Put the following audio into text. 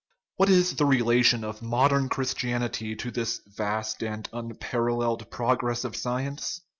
What is the relation of modern Christianity to this vast and unparalleled progress of science?